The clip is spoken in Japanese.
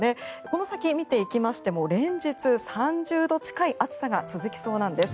この先を見ていきましても連日３０度近い暑さが続きそうなんです。